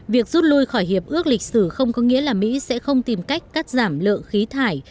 việc rút lui khỏi hiệp ước lịch sử không có nghĩa là mỹ sẽ không tìm cách cắt giảm lượng khí thải